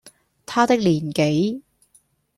他的年紀，